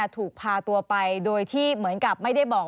ถูกพาตัวไปโดยที่เหมือนกับไม่ได้บอก